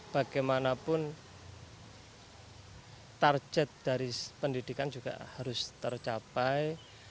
bagaimanapun target dari pendidikan juga harus tercapai